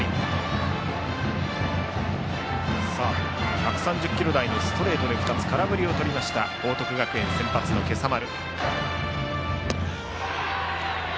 １３０キロ台のストレートで２つ、ストライクをとった報徳学園先発の今朝丸。